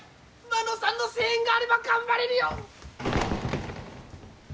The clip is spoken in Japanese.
真野さんの声援があれば頑張れるよ！